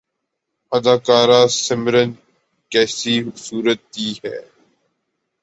اداکارہ سمرن کیسی خوبصورتی ہے